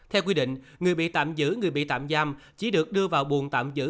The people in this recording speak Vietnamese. theo quy định người bị tạm giữ người bị tạm giam chỉ được đưa vào buồn tạm giữ